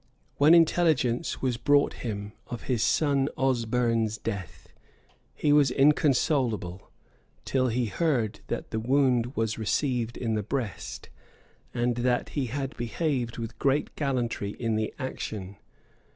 When intelligence was brought him of his son Osberne's death, he was inconsolable; till he heard that the wound was received in the breast, and that he had behaved with great gallantry in the action.